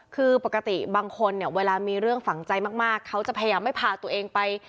คือปกติบางคนเนี่ยเวลามีเรื่องฝังใจมากเขาจะพยายามไม่พาตัวเองไป